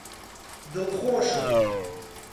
دڵخۆشم!